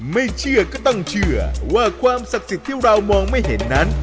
ไม่เชื่อก็ต้องเชื่อว่าความศักดิ์สิทธิ์ที่เรามองไม่เห็นนั้น